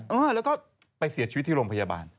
เออแล้วก็ไปเสียชีวิตที่โรงพยาบาล